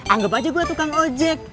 anggap aja gue tukang ojek